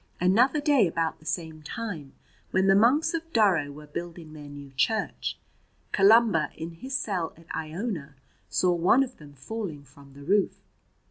Another day about the same time, when the monks of Durrow were building their new church, Columba in his cell at Iona saw one of them falling from the roof.